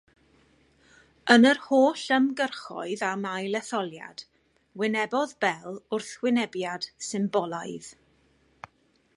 Yn yr holl ymgyrchoedd am ailetholiad, wynebodd Bell wrthwynebiad symbolaidd.